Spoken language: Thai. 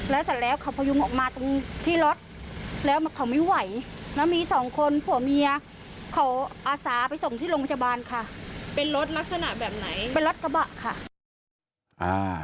แล้วเสร็จแล้วเขาพยุงออกมาตรงที่รถแล้วเขาไม่ไหวแล้วมีสองคนผัวเมียเขาอาสาไปส่งที่โรงพยาบาลค่ะเป็นรถลักษณะแบบไหนเป็นรถกระบะค่ะอ่า